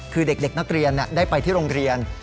คือเด็กนักเรียนได้ไปที่โรงเรียน